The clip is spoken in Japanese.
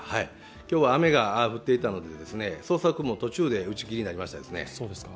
今日は雨が降っていたので捜索も途中で打ち切りになりました。